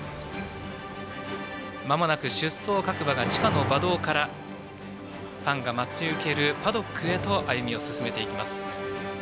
まもなく出走各馬が地下の馬道からファンが待ち受けるパドックへと歩みを進めていきます。